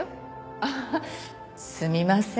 ああすみません。